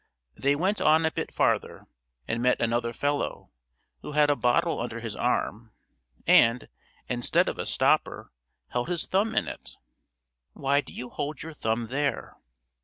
They went on a bit farther, and met another fellow, who had a bottle under his arm, and, instead of a stopper, held his thumb in it. "Why do you hold your thumb there?"